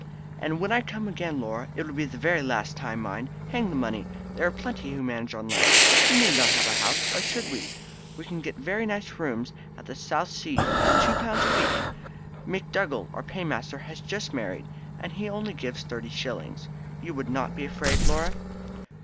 And when I come again, Laura, it will be the last time mind! Hang the money! There are plenty who manage on less. We need not have a house. Why should we? You can get very nice rooms in Southsea at 2 pounds a week. McDougall, our paymaster, has just married, and he only gives thirty shillings. You would not be afraid, Laura?"